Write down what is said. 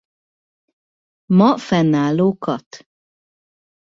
Ma fennálló kath.